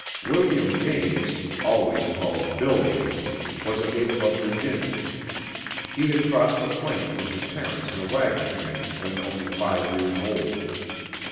William James, always called "Bill" James, was a native of Virginia. He had crossed the plains with his parents in a wagon train when only five years old.